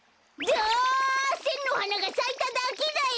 だあせんのはながさいただけだよ！